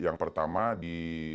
yang pertama di